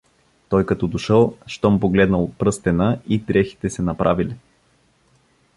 Той, като дошъл, щом погледнал пръстена, и дрехите се направили.